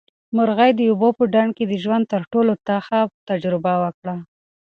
مرغۍ د اوبو په ډنډ کې د ژوند تر ټولو تخه تجربه وکړه.